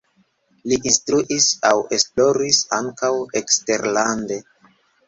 Li instruis aŭ esploris ankaŭ eksterlande.